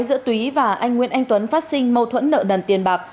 giữa túi và anh nguyễn anh tuấn phát sinh mâu thuẫn nợ nần tiền bạc